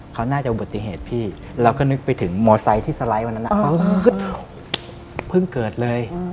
เขาน่าจะอุบัติเหตุพี่เราก็นึกไปถึงมอไซค์ที่สไลด์วันนั้นเพิ่งเกิดเลย